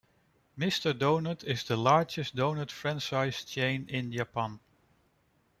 Mister Donut is the largest donut franchise chain in Japan.